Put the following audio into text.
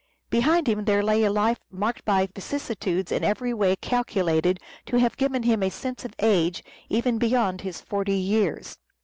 Behind him there lay a life marked by vicissitudes in every way calculated to have given him a sense of age even beyond his forty years.